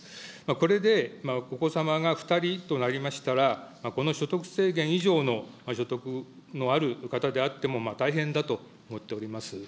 これでお子様が２人となりましたら、この所得制限以上の所得のある方であっても、大変だと思っております。